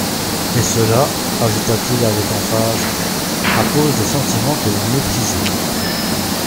Et cela,» ajouta-t-il avec emphase, «à cause des sentiments que vous méprisez.